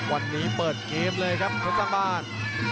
วันนี้เปิดเกมเลยครับคนสร้างบ้าน